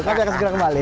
tapi akan segera kembali